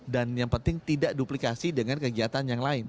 dan yang penting tidak duplikasi dengan kegiatan yang lain